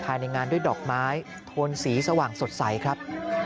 ภายในงานด้วยดอกไม้โทนสีสว่างสดใสครับ